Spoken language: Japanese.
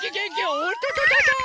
おっとととと。